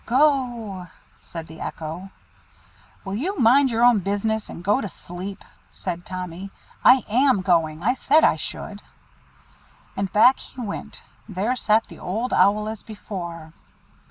"Go," said the Echo. "Will you mind your own business, and go to sleep?" said Tommy. "I am going; I said I should." And back he went. There sat the Old Owl as before.